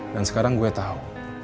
dan sekarang gue tau